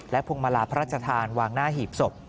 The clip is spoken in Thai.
พวงมาลาพระราชทานวางหน้าหีบศพ